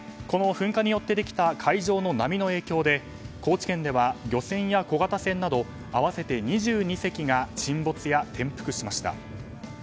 この噴火によってできた海上の波の影響で高知県では漁船や小型船など合わせて２２隻が沈没や転覆しました。